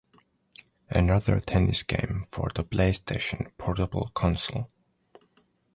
Another Tennis game for the PlayStation portable console.